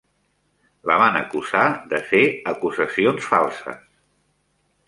La van acusar de fer acusacions falses.